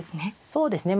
そうですね。